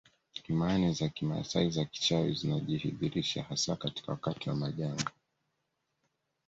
Imani za kimaasai za kichawi zinajidhihirisha hasa katika wakati wa majanga